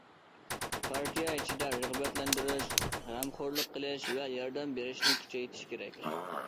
پارتىيە ئىچىدە رىغبەتلەندۈرۈش، غەمخورلۇق قىلىش ۋە ياردەم بېرىشنى كۈچەيتىش كېرەك.